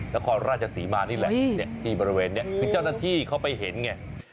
นครราชศรีมานี่แหละที่บริเวณนี้คือเจ้าหน้าที่เขาไปเห็นไง